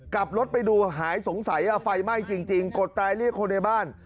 กลับรถไปดูหายสงสัยไฟไหม้จริงกดตายเรียกคนในบ้าน